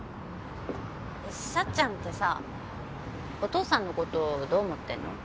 幸ちゃんってさお父さんのことどう思ってんの？